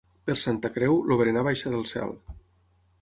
Per Santa Creu, el berenar baixa del cel.